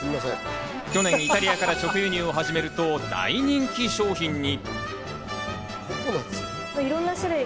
去年イタリアから直輸入を始めると大人気商品に。